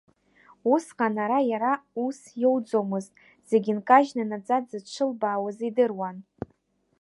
Усҟан ара иара ус иоуӡомызт, зегьы нкажьны, наӡаӡа дшылбаауаз идыруан.